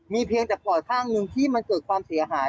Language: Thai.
เพียงแต่ปอดข้างหนึ่งที่มันเกิดความเสียหาย